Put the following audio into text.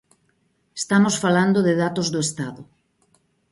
Estamos falando de datos do Estado.